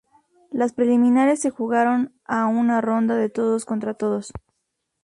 Las preliminares se jugaron a una ronda de todos contra todos.